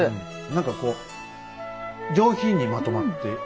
何かこう上品にまとまっている感じ